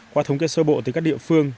qua thống kê sơ bộ từ các địa phương